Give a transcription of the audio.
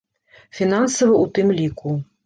Фінансава ў тым ліку.